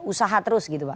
usaha terus gitu pak